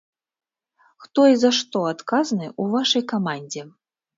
Хто і за што адказны ў вашай камандзе?